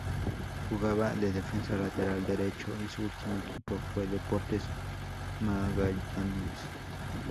Jugaba de defensa lateral derecho y su último equipo fue Deportes Magallanes.